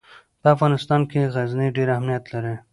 په افغانستان کې غزني ډېر اهمیت لري.